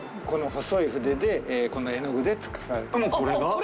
この細い筆で、この絵の具でもうこれが？